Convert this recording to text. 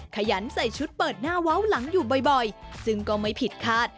ขยันใส่ชุดเปิดหน้าเว้าหลังอยู่บ่อยซึ่งก็ไม่ผิดคาด